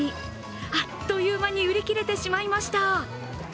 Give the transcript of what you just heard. あっという間に売り切れてしまいました。